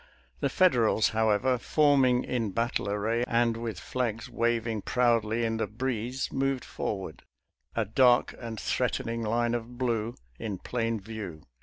The Federals, however, forming in battle array, and with flags waving proudly in the breeze, moved forward, a dark and threatening line of blue, in plain view.